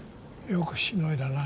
よくしのいだな。